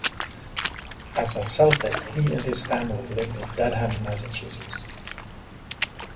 As a Celtic, he and his family lived in Dedham, Massachusetts.